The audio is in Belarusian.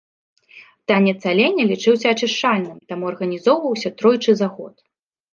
Танец аленя лічыўся ачышчальным, таму арганізоўваўся тройчы за год.